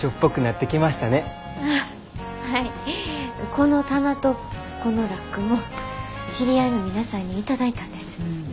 この棚とこのラックも知り合いの皆さんに頂いたんです。